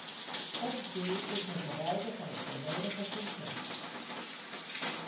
Ons doel is het bereiken van een volledige consensus.